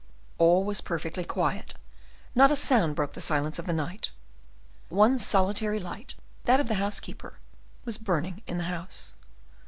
All was perfectly quiet, not a sound broke the silence of the night; one solitary light, that of the housekeeper, was burning in the house.